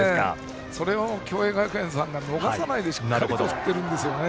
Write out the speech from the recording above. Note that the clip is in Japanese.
それを共栄学園さんが逃さないでしっかりと振っているんですね。